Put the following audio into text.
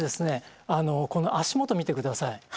この足元見て下さい。